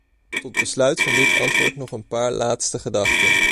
Tot besluit van dit antwoord nog een paar laatste gedachten.